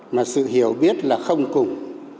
mà sự hiểu biết là không cùng